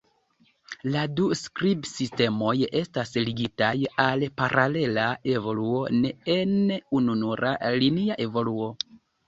La du skribsistemoj estas ligitaj al paralela evoluo, ne en ununura linia evoluo.